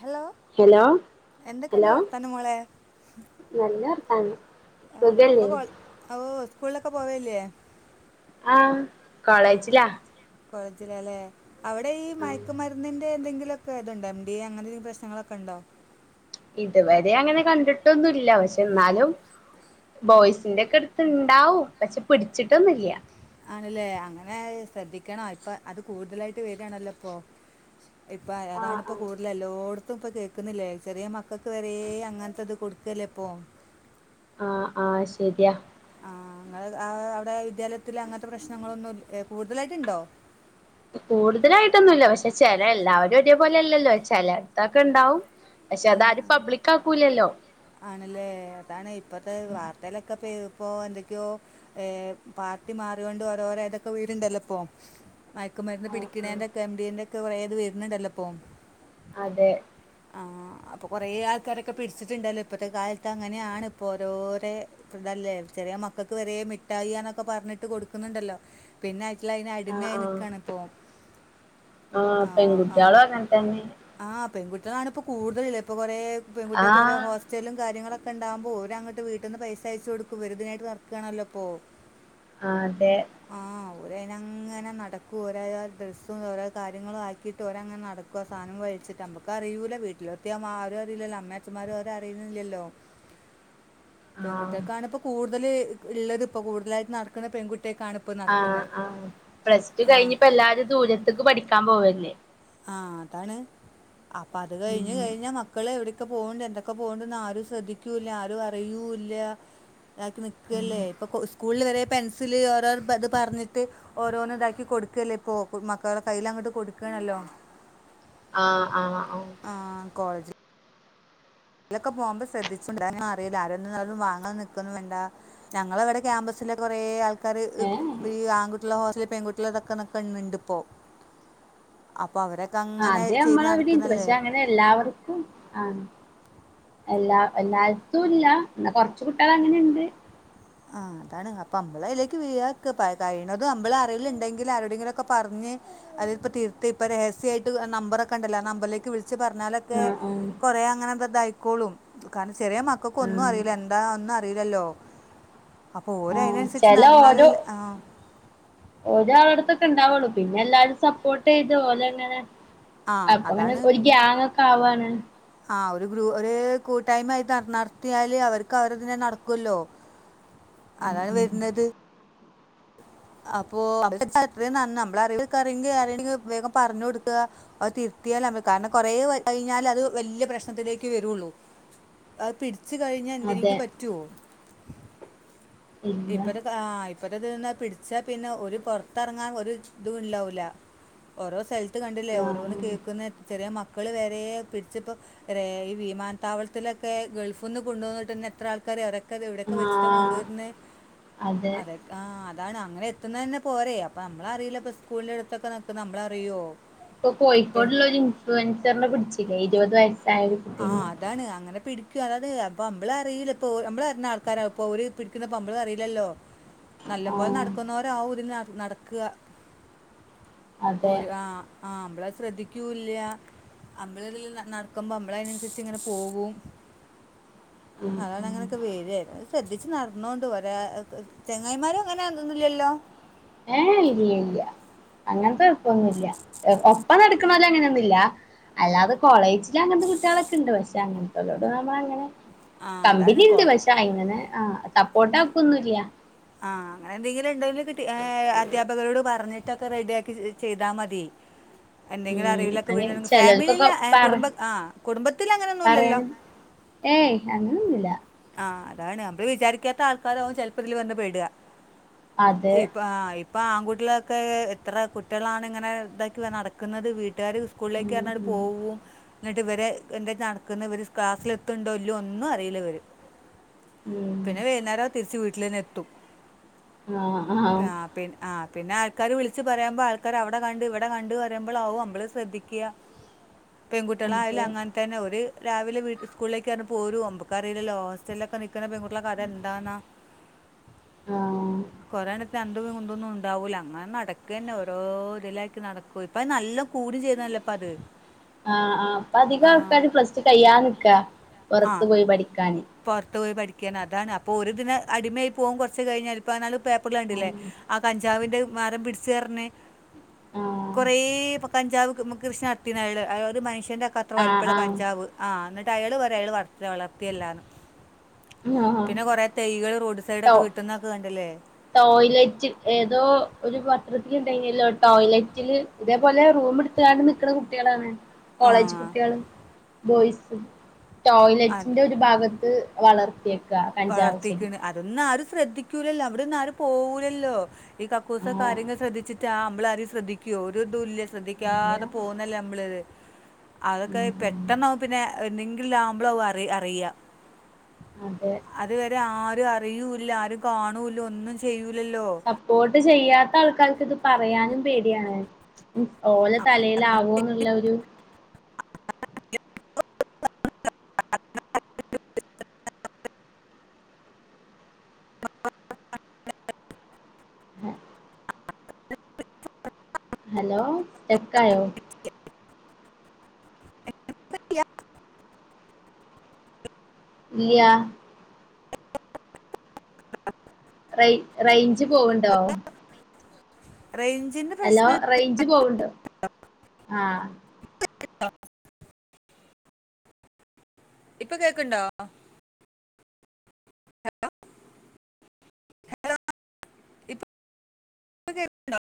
Hello hello എന്തൊക്കെണ്ട് hello വർത്താനം മോളെ? നല്ല വർത്താനം ആഹ് ഇപ്പോ സുഖല്ലേ കോൾ, ഓഹ് സ്കൂളിലൊക്കെ പോവലില്ലേ? ആഹ് കോളേജിലാ കോളേജിലാല്ലേ? അവടെ ഈ മയക്കുമരുന്നിന്റെ എന്തെങ്കിലൊ ക്കെ ഇതുണ്ടോ? എം ഡി എ അങ്ങനെ എന്തെങ്കിലും പ്രശ്നങ്ങളൊക്കേണ്ടോ? ഇതുവരെ അങ്ങനെ കണ്ടിട്ടൊന്നുല്ല. പക്ഷേ എന്നാലും ബോയ്സിന്റെ ഒക്കെ അടുത്ത് ഇണ്ടാവും. പക്ഷേ പിടിച്ചിട്ടൊന്നും ഇല്ല. ആണല്ലേ അങ്ങനെ ശ്രദ്ധിക്കണോ ഇപ്പോ അത് കൂടുതലായിട്ട് വെര്വാണല്ലോ ഇപ്പോ ഇപ്പോ ആഹ് അതാണിപ്പോ ആഹ് കൂടുതല് എല്ലോടും ത്തുപ്പോ കേക്കുന്നില്ലേ? ചെറ്യേ മക്കക്ക് വരെയ് അങ്ങനത്തത് കൊടുക്കല്ലേ ഇപ്പോ ആഹ് ആഹ് ശര്യാ ആഹ് നിങ്ങടേ അവിടെ വിദ്യാലയത്തില് അങ്ങത്തെ പ്രശ്നങ്ങളൊന്നും ഇൽ കൂടുതലായിട്ടുണ്ടോ? കൂടുതലായിട്ടൊന്നുല്ല. പക്ഷേ ചെല എല്ലാവരും ഒരേപോലെ അല്ലല്ലോ. ചെലടത്തൊക്കെണ്ടാവും പക്ഷേ അത് ആണ് ആരും ആ. പബ്ലിക് ആക്കൂല്ലല്ലോ ആണല്ലേ? അതാണേ. ഇപ്പത്തെ വാർത്തയിലൊക്കെപ്പ ഏത്പ്പോ എന്തൊക്ക്യോ ഏഹ് പാർട്ടി മാറ്യോണ്ട് ഓരോര ഏതൊക്കെ വീരുണ്ടല്ലോ ഇപ്പോ മയക്കുമരുന്ന് ആഹ് ആഹ് പിടിക്കണേന്റെൊക്കെ എം ഡി എൻ എ ഒക്കെ കൊറേ ഇത് വരുന്നുണ്ടല്ലോ ഇപ്പോ അതെ ആഹ് അപ്പോ കൊറേ ആൾക്കാരൊക്കെ പിടിച്ചിട്ടുണ്ടല്ലോ. ഇപ്പത്തെ കാലത്ത് അങ്ങനെയാണ് ഇപ്പോ ഓരോരേ പ്പ ഇതല്ലേ? ചെറ്യ മക്കക്ക് വരെ മിഠായിയാന്നൊക്കെ പറഞ്ഞിട്ട് കൊടുക്കുന്നുണ്ടല്ലോ പിന്നെ അയിറ്റാള്ള് അതിന് ആഹ് അടിമയായി ആഹ് നിൽക്കാണ് ഇപ്പോം. ആഹ് പെൺകുട്ട്യാളും അങ്ങനെത്തെന്നെ ആ പെൺകുട്ടികളാണിപ്പൊ കൂടുതലില്ലെ ഇപ്പം കൊറേ പെൺകുട്ടികൾക്ക് കുറേ ആഹ് ഹോസ്റ്റലും കാര്യങ്ങളൊക്കെ ഉണ്ടാവുമ്പോ ഓരങ്ങട്ട് വീട്ടിന്ന് പൈസ അയച്ച് കൊടുക്കും ഇവര് ഇതിനായിട്ട് നടക്കാണല്ലോ ഇപ്പോൾ ആ തെ ആഹ് ഓരയിനങ്ങനെ നടക്കും ഓരയാധി ഡ്രസ്സും ഓരോ കാര്യങ്ങളും ആക്കി ഓര അങ്ങനെ നടക്കും ആ സാധനം വലിച്ചിട്ട് ക്ക് അറിയൂല വീട്ടിലോ എത്തിയാ ആരും അറില്ലല്ലോ അമ്മിയാച്ഛന്മാരും ഓര് അറിയുന്നില്ലല്ലോ ആഹ് പെൺകുട്ടിയാൾക്കാണ് ഇപ്പോ കൂടുതൽ ഉള്ളത് ഇപ്പൊ കൂടുതലായിട്ട് നടക്ക്ണെ പെൺകുട്ട്യാൾക്കാണ് ഇപ്പം. ആഹ് ആ പ്ലസ് ടു കഴിഞ്ഞ് ഇപ്പോ എല്ലാരും ദൂരത്ത്ക്ക് പഠിക്കാൻ പോവല്ലേ ആഹ് അതാണ് അപ്പൊ അത് കഴിഞ്ഞ് ഉം കഴിഞ്ഞാൽ മക്ക മക്കൾ എവിടൊക്കെ പോകിണ്ട് എന്തൊക്കെ പോകിണ്ടന്ന് ആരും ശ്രദ്ധിക്കൂല്ല ആരും അറിയൂല്ല. ഇതാക്കി ഉം നിക്കല്ലേ ഇപ്പൊ സ്കൂളിൽ വരെ പെൻസില് ഓരോ ഇത് പറഞ്ഞിട്ട് ഓരോന്ന് ഇതാക്കി കൊടുക്കല്ലേ ഇപ്പൊ ഇപ്പം മക്കളുടെ കയ്യിൽ അങ്ങട്ട് കൊടുക്കാണല്ലോ. ആഹ് ആഹ് ആഹ് ആഹ് കോളേജ് ഇയിലൊക്കെ പോവുമ്പം ശ്രദ്ധിച്ചുണ്ട് അത് അമ്മള് അറിയില്ല ആരൊന്നും വാങ്ങാ നിക്കുന്നും വേണ്ടാ ഞങ്ങളവിടെ ക്യാമ്പസിലൊക്കെ കൊറേ ആൾക്കാര് ഏഹ് നി ഈ ആൺകുട്ടികളെ ഹോസ്റ്റലില് പെൺകുട്ടികള് നിക്കുന്നതൊക്കെ ഇണ്ട് ഇപ്പോ അപ്പൊ അവരെ ഇത് അങ്ങനെ ചെയ്ത് നടക്ക്ന്ണല്ലേ ഇതെല്ലാവർക്കും ആണ്. എല്ലാ എല്ലായിടത്തും ഇല്ല എന്നാ കൊറച്ച് കുട്ടികള് അങ്ങനെണ്ട് ആ അതാണ് അപ്പൊ അമ്മള് അയിലേക്ക് വീഴാതെക്കാ ഇപ്പ കഴിയിണതും അമ്പളെ അറിവിലുണ്ടെങ്കിൽ ആരോടെങ്കിലൊക്കെ പറഞ്ഞ് അല്ലേല്പം തിരുത്തി ഇപ്പം രഹസ്യായിട്ട് നമ്പറൊക്കെ ഉണ്ടല്ലോ ആ നമ്പറിലേക്ക് വിളിച്ച് പറഞ്ഞാലൊക്കെ ആഹ് ആഹ് കൊറെ അങ്ങനെ ഇപ്പ ഇത് ആയിക്കോളും കാരണം ചെറിയ മക്കൾക്കൊന്നും ആഹ് അറിയില്ല എന്താ ഒന്നും അറിയില്ലല്ലോ അപ്പോ ഓര് ആഹ് അയിനനുസരിച്ച് ചെല നടന്നാലല്ലേ ആഹ് ഒരാളെട്ത്തൊക്കെ ഉണ്ടാവുള്ളൂ പിന്നെ എല്ലാരും സപ്പോർട്ട് ചെയ്തു ഒഓലെങ്ങനെ ആ, അപ്പൊ ഇങ്ങനെ ഒരു ഗ്യാങ് ഒക്കെ ആവാണ് ആഹ് ഒരു ഗ്രൂ ഒരു കൂട്ടായ്മയായിട്ട് നട നടർത്തിയാല് അവർക്ക് അവരതിന് നടക്കുവല്ലോ. ഉം അതാണ് ഉം വര്ന്നത് അപ്പൊ അ അത്രയും നന്ന് നമ്മളെ അറിവിലൊക്കെ ആരേലുണ്ടെങ്കിൽ വേഗം പറഞ്ഞു കൊടുക്കുക. അത് തിരുത്തിയാലമ്മക്ക് കാരണം കൊറേ കഴിഞ്ഞാൽ അത് വല്യ പ്രശ്നത്തിലേക്ക് വരൊള്ളൂ അത് പിടിച്ച് ടിച്ചു കഴിഞ്ഞാല് അതെ എന്തിനെങ്കിലും പറ്റുവോ ഇല്ല ഇപ്പത്തെ സാ ഇപ്പത്തെ ത് ന്ന പിടിച്ചാൽ പിന്നെ ഒരു പൊറത്തിറങ്ങാൻ ഒരു ഇതൂണ്ടാവൂല ഓരോ സ്ഥ ലത്ത് കണ്ടില്ലേ ആഹ് ഓരോന്ന് കേൾക്കുന്നേ ചെറിയ മക്കൾ വേരെ പിടിച്ചിപ്പം രേ ഈ വിമാനത്താവളത്തിലൊക്കെ ഗൾഫിൽന്ന് കൊണ്ടോന്നിട്ടന്നെ എത്ര ആൾക്കാരാറിയൊ ക്കെ എവിടെയൊക്കെ ആഹ് വെച്ചിട്ടാ ആഹ് കൊണ്ടോരുന്നെ അതെ ആ അതാണ് അങ്ങനെ എത്തുന്ന തെന്നെ പോരെ, അപ്പൊ നമ്മള് അറിയില്ല ഇപ്പോ സ്കൂളിന്റെ അടുത്തൊക്കെ നിക്ക്ണെ നമ്മളറിയൊ ഇപ്പൊ കോഴിക്കോടുള്ള ഒരു ഇൻഫ്ലുവൻസറിനെ പിടിച്ചില്ലേ ഇരുപത് വയസ്സായൊരു. ആഹ് അതാണ് അങ്ങനെ പിടിക്കും അതായത് അപ്പൊ അമ്മളറിയില്ല ഇപ്പൊ അമ്മ്ളറിയുന്ന ആൾക്കാരാവപ്പൊ ഓല് പിടിക്കാ ക്കുന്നപ്പൊ അമ്മള് അറിയില്ലല്ലോ നല്ലം പോലെ ആഹ് നടക്കുന്നവരാവും ഇതിന് നടക്കാ അതെ ഒര് ആഹ് ആഹ അമ്മളത് ശ്രദ്ധിക്ക്രൂല്ല അമ്മറ്റതില് നടക്കുമ്പോ നമ്മള അതിനനുസരിച്ച് ഇങ്ങനെ പോകും. ഉം അതാണ് ഉം അങ്ങനെയൊക്കെ വേരന്നെ ശ്രദ്ധിച്ച് നടന്നോണ്ടു ഒരാ ചെങ്ങായിമാരും അങ്ങനെ അതൊന്നുല്ലല്ലോ ഏയ് ഇല്ല ഇല്ല അങ്ങനത്തെ കൊയപ്പൊന്നുല്ല ഒപ്പം നടക്കുണോല് അങ്ങനെയൊന്നുല്ല അല്ലാതെ കോളേജിൽ അങ്ങനത്തെ കുട്ടികളൊക്കെ ഉണ്ട് പക്ഷെ അങ്ങനത്തോലോട് നമ്മള് അങ്ങനെ ആ അതാണ് കമ്പനി ഉണ്ട് കോള പക്ഷെ അയിങ്ങനെ ആ സപ്പോർട്ട് ആക്കൊന്നുല്ല ആഹ് അങ്ങനെ എന്തെങ്കിലും ഉണ്ടെങ്കിലും ടീ അദ്ധ്യാപകരോട് പറഞ്ഞിട്ടൊക്കെ റെഡിയാക്കി ചെയ്താൽ മതി എന്തെങ്കിലും ഉം അറിവിലൊക്കെ അയിന് വീണണങ്കിൽ ചെലോൽക്കൊക്കെ ഫാമിലില് പറ കുടും ആ കുടുംബത്തിൽ അങ്ങനെയൊന്നും ഇല്ലല്ലോ പറയാനും ഏയ് അങ്ങനെ ഒന്നില്ല ആഹ് അതാണ് നമ്മള് വിചാരിക്കാത്ത ആൾക്കാരാവും ചെലപ്പം ഇതില് വന്ന് പെടുക, അത് ഇപ്പ ആഹ് ഇപ്പൊ ആൺകുട്ടിലൊക്കെ എത്ര കുട്ടികളാണ് ഇങ്ങനെ ഇതാക്കി നടക്കുന്നത് വീട്ടുകാര് സ്കൂളിലേക്ക് ഉം പറഞ്ഞാട്ട് ഉം പോവും എന്നിട്ട് ഇവരെ എന്ത നടക്കുന്ന ഇവർ ക്ലാസ്സൽ എത്തുന്നുണ്ടോ ഇല്ലോ ഒന്നും അറിയില്ല ഇവര് ഉം പിന്നെ വൈകുന്നേരം തിരിച്ച് വീട്ടിലന്നെ എത്തും ആഹ് ആഹ് ആ പിന്നെ ആ പിന്നെ ആൾക്കാർ വിളിച്ച് പറയുമ്പോൾ ആൾക്കാർ അവിടെ കണ്ട് ഇവിടെ കണ്ട് പറയുമ്പോൾ ആകും നമ്മൾ ശ്രദ്ധിക്കുക [unintelligible] അത് പെൺകുട്ടികളായാലും അങ്ങനതന്നെ ഓര് രാവിലെ വീട്ടീന്ന് സ്കൂളിലേക്ക് പറഞ്ഞ് പോരും അമ്പക്കറില്ലല്ലോ ഹോസ്റ്റലിലൊക്കെ നിക്കുന്ന പെൺകുട്ടികളെ കഥ എന്താന്നാ ആഹ് കൊറേണ്ണത്തിന് ന്തവും കുന്തൊന്നും ഉണ്ടാവൂല അങ്ങനെ നടക്കന്നെ ഓരോ ഇതിലാക്കി നടക്കും, ഇപ്പത് നല്ല കൂടി ചെയ്ത്ണല്ലോ ഇപ്പ അത് [unintelligible] ആഹ് ആഹ് ഇപ്പോ അധികം ആ ആൾക്കാര് പ്ലസ് ടു കയ്യാനിക്കാ ആ പുറത്തു പോയി പഠിക്കാന് പുറത്ത് പോയി പഠിക്കാന് അതാണ് അപ്പോര് പിന്നെ അടിമയായി പോവും കുറച്ച് കഴിഞ്ഞാല് പതിനാൽ പേപ്പറിൽ കണ്ടില്ലേ. ആഹ് ആ കഞ്ചാവിന്റെ മരം പിടിച്ചു പറഞ്ഞാണ്ട്. കുറേ കഞ്ചാവ് കൃഷി നടത്തിന് അയാള്. ആ ഒരു മനുഷ്യന്റെ കഥ അത്ര ആഹ് വലിപ്പമുള്ള ആഹ് കഞ്ചാവ്. ആ എന്നിട്ട് അയാൾ പറയുവാ. അയാൾ വളർത്തി, വളർത്തിയല്ലന്ന് ആഹ് ആഹ് പിന്നെ കുറെ തൈകൾ റോഡ് സൈഡൊക്ക കിട്ടുന്നൊക്കെ കണ്ടില്ലേ ടോയ്ലറ്റിൽ, ഏതോ ഒരു പത്രത്തില് ഉണ്ടായിനല്ലോ ടോയ്ലറ്റില് ഇതേപോലെ റൂം എടുത്താണ്ട് നിൽക്കുന്ന കുട്ടികളാണ്. ആ കോളേജ് കുട്ടികളും, ബോയ്സും. അത് ടോയ്ലറ്റിന്റെ ഒരു ഭാഗത്ത് വളർത്തി വളർത്തിയേക്കുവാ വളർത്തിയേക്കാണ്. അതൊന്നും ആരും ശ്രദ്ധിക്കൂലല്ലോ. അവിടന്നും ആരു പോകൂലല്ലോ. ഈ കക്കൂസ് ഒക്കെ ആഹ് ആരെങ്കിലും ശ്രദ്ധിച്ചിട്ടാ. നമ്മള് ആരെങ്കിലും ശ്രദ്ധിക്കുവോ. ഒരു ഇതു ഇല്യ ഇല്ല ശ്രദ്ധിക്കാതെ പോകുന്നല്ലേ നമ്മള്. അതൊക്കെ ഉം ഉം പെട്ടെന്ന് ആകുമ്പോ പിന്നെ വീട്ടിൽ ആകുമ്പ [inaudible] അത് അറിയ അതെ അതുവരെ ആരും അറിയൂല്ല. ആരും കാണൂല്ല. ഒന്നും ചെയ്യൂലല്ലോ സപ്പോർട്ട് ചെയ്യാത്ത ആൾക്കാർക്ക് ഇത് പറയാനും പേടിയാണ് ഓല തലേലാവോ എന്നുള്ള ഒരു [inaudible] [unintelligible] [unintelligible] [inaudible] ഹലോ സ്റ്റക്കായോ ഇല്ല യാ [unintelligible] [inaudible] റേഞ്ച് റേഞ്ച് പോവണ്ടോ റേഞ്ചിന്റെ ഹലോ പ്രശ്നം റേഞ്ച് പോവണ്ട് ആഹ്. ഇപ്പൊ കേക്ണ്ടോ കേക്ക്ണ്ടോ.